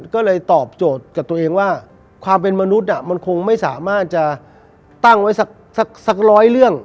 ก็เลยตอบโจทย์กับตัวเองว่าความเป็นมนุษย์มันคงไม่สามารถจะตั้งไว้สักร้อยเรื่อง